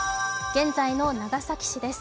現在の長崎市です。